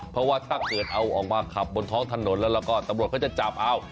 เพราะว่าถ้าเกิดเอาออกมาขับบนท้องถนนแล้วก็ตำรวจเขาจะจับเอา